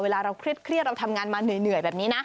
เราเครียดเราทำงานมาเหนื่อยแบบนี้นะ